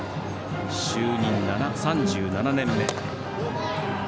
就任３７年目。